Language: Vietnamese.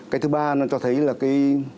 cái thứ ba nó cho thấy là cái